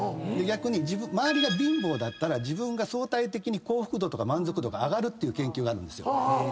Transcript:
逆に周りが貧乏だったら自分が相対的に幸福度とか満足度が上がるっていう研究があるんですよ。